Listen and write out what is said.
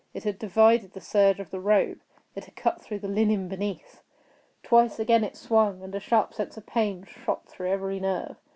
It had divided the serge of the robe. It had cut through the linen beneath. Twice again it swung, and a sharp sense of pain shot through every nerve.